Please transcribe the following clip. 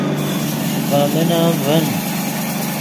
ڤے من ام ڤین